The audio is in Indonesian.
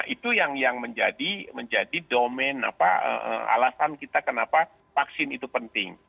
itu yang menjadi domain alasan kita kenapa vaksin itu penting